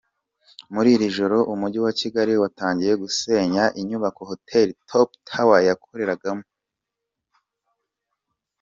Muri iri joro Umujyi wa Kigali watangiye gusenya inyubako Hotel Top Tower yakoreragamo .